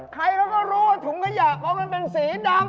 ใครเขาก็รู้ทุ่มขยะมองกันเป็นสีดำ